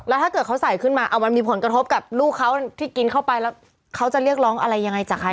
แล้วถ้าเกิดเขาใส่ขึ้นมาเอามันมีผลกระทบกับลูกเขาที่กินเข้าไปแล้วเขาจะเรียกร้องอะไรยังไงจากใคร